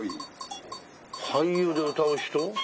俳優で歌う人？